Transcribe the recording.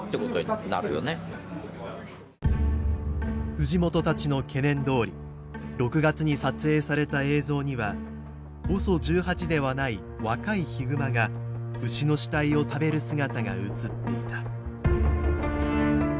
藤本たちの懸念どおり６月に撮影された映像にはＯＳＯ１８ではない若いヒグマが牛の死体を食べる姿が映っていた。